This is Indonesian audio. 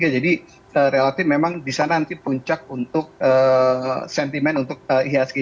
jadi relatif memang bisa nanti puncak untuk sentimen untuk ihsg